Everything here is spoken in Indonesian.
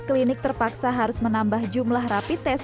klinik terpaksa harus menambah jumlah rapi tes